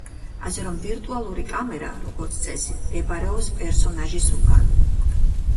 ასე რომ, ვირტუალური კამერა, როგორც წესი, მდებარეობს პერსონაჟის უკან.